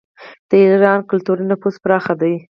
د ایران کلتوري نفوذ پراخ دی.